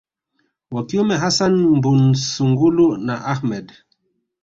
wa kiume hassan Mbunsungulu na Ahmed